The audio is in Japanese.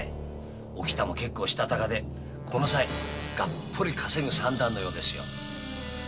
おきたも結構したたかでこのさいガッポリ稼ぐ算段のようですよ。